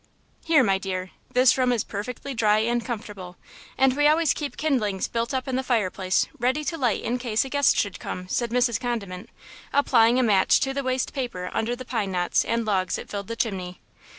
"Here, my dear, this room is perfectly dry and comfortable, and we always keep kindlings built up in the fireplace ready to light in case a guest should come," said Mrs. Condiment, applying a match to the waste paper under the pine knots and logs that filled the chimney.